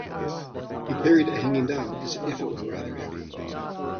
He carried it hanging down, as if it were rather heavy.